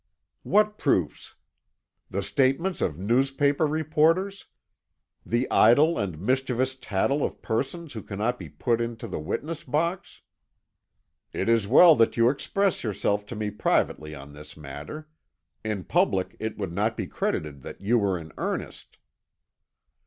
"What proofs? The statements of newspaper reporters the idle and mischievous tattle of persons who cannot be put into the witness box?" "It is well that you express yourself to me privately on this matter. In public it would not be credited that you were in earnest."